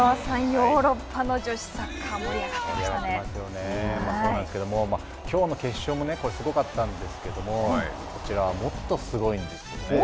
ヨーロッパの女子サッカーそうなんですけどもきょうの決勝もこれ、すごかったんですけどもこちらはもっとすごいんですね。